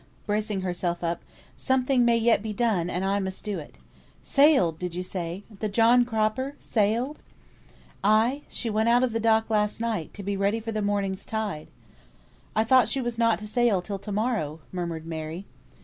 (bracing herself up) "something may yet be done, and I must do it. Sailed! did you say? The John Cropper? Sailed?" "Ay! she went out of dock last night, to be ready for the morning's tide." "I thought she was not to sail till to morrow," murmured Mary.